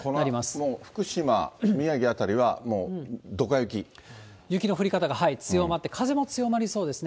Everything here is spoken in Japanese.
もう福島、雪の降り方が強まって、風も強まりそうですね。